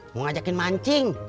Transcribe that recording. mau ngajakin mancing